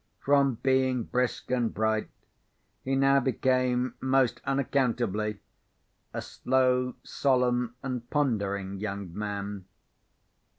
From being brisk and bright, he now became, most unaccountably, a slow, solemn, and pondering young man.